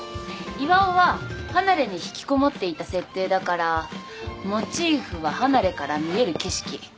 巌は離れに引きこもっていた設定だからモチーフは離れから見える景色。